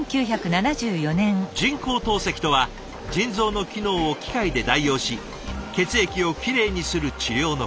人工透析とは腎臓の機能を機械で代用し血液をきれいにする治療のこと。